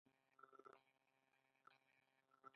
د ژوند ورځې شپې سبا کوي ۔